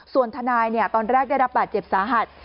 ส่วนทนายตอนแรกได้รับบาดเจ็บสาหัส